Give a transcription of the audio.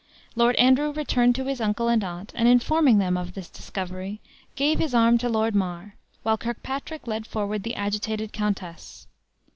Lord Andrew returned to his uncle and aunt, and informing them of this discovery, gave his arm to Lord Mar, while Kirkpatrick led forward the agitated countess.